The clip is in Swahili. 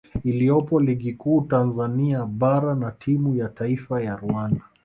iliyopo Ligi Kuu Tanzania Bara na timu ya taifa ya Rwanda